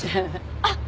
あっ！